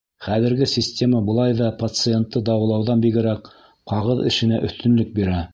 Хәҙерге система былай ҙа, пациентты дауалауҙан бигерәк, ҡағыҙ эшенә өҫтөнлөк бирә.